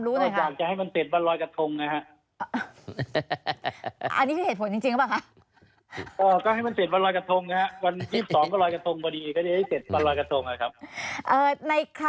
ทีนี้ตามข่าวที่ออกมานี่นะคะ